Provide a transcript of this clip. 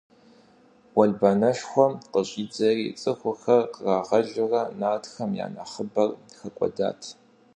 Уэлбанэшхуэм къыщӀидзэри, цӀыхухэр кърагъэлурэ нартхэм я нэхъыбэр хэкӀуэдат.